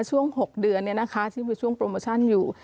ช่วง๖เดือนซึ่งเป็นช่วงโปรโมชั่นอยู่